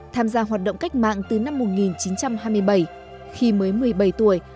tham gia hoạt động cách mạng từ năm một nghìn chín trăm hai mươi bảy khi mới một mươi bảy tuổi